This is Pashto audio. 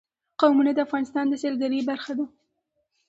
قومونه د افغانستان د سیلګرۍ برخه ده.